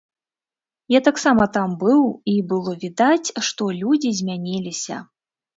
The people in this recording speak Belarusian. Я таксама там быў, і было відаць, што людзі змяніліся.